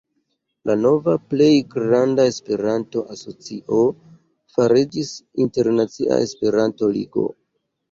La nova plej granda Esperanto-asocio fariĝis Internacia Esperanto-Ligo.